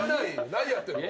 何やってんの。